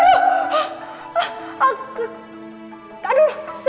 tolong diberesin aja